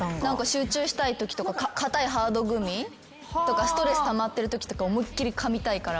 集中したいときとか硬いハードグミとかストレスたまってるときとか思いっ切りかみたいから。